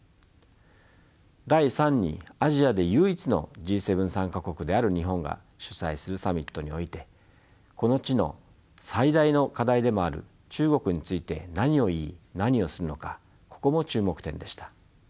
第３にアジアで唯一のＧ７参加国である日本が主催するサミットにおいてこの地の最大の課題でもある中国について何を言い何をするのかここも注目点でした。